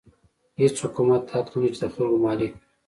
هېڅ حکومت حق نه لري چې د خلکو مالک وي.